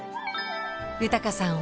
豊さん